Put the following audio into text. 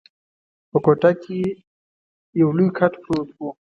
په کوټه کي یو لوی کټ پروت وو.